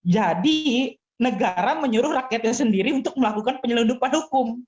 jadi negara menyuruh rakyatnya sendiri untuk melakukan penyelundupan hukum